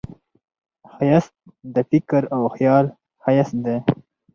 ښایست د فکر او خیال ښایست دی